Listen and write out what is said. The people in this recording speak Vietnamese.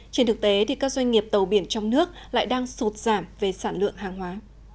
trên thực tế các doanh nghiệp tàu biển trong nước lại đang sụt giảm về sản lượng hàng hóa